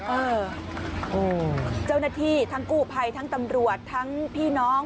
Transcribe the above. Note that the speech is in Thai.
เออเจ้าหน้าที่ทั้งกู้ภัยทั้งตำรวจทั้งพี่น้อง